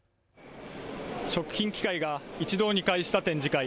食品機械が一堂に会した展示会。